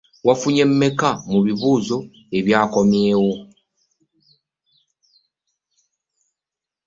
Wafunye meka mu bibuuzo ebyakomyewo.